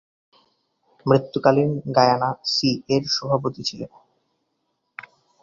মৃত্যুকালীন Guyana সিএ’র সভাপতি ছিলেন।